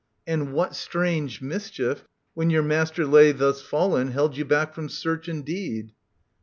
And what strange mischief, when your master lay Thus fallen, held you back from search and deed